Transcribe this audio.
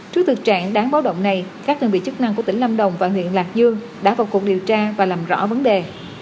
trước thực trạng đáng báo động này các đơn vị chức năng của tỉnh lâm đồng và huyện lạc dương đã vào cuộc điều tra và làm rõ vấn đề